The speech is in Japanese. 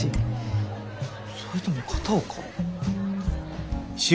それとも片岡？